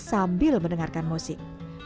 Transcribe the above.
sambil mendengarkan musik